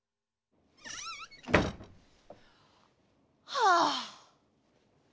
はあ。